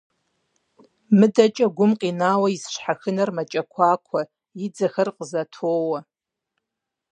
МыдэкӀэ гум къинауэ ис щхьэхынэр мэкӀэкуакуэ, и дзэхэр фӀызэтоуэ.